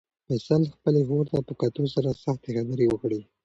فیصل خپلې خور ته په کتو سره سختې خبرې وکړې.